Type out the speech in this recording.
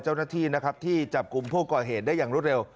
เจ้าหน้าที่นะครับที่จับกลุ่มผู้ก่อเหตุได้อย่างรวดเร็ว